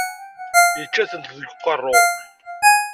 Yečča-tent deg uqerru.